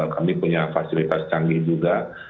kami punya fasilitas canggih juga